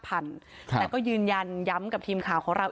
แต่ก็ยืนยันย้ำกับทีมข่าวของเรา